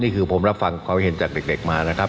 เฝ้าฟังเขาเห็นจากเด็กมานะครับ